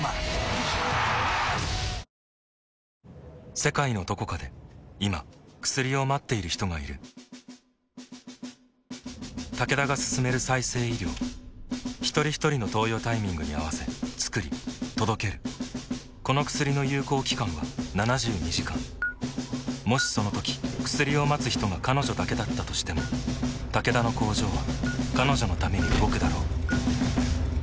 世界のどこかで今薬を待っている人がいるタケダが進める再生医療ひとりひとりの投与タイミングに合わせつくり届けるこの薬の有効期間は７２時間もしそのとき薬を待つ人が彼女だけだったとしてもタケダの工場は彼女のために動くだろう